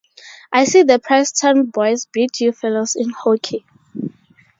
I see the Princeton boys beat you fellows in hockey.